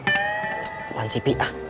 cepat si pi ah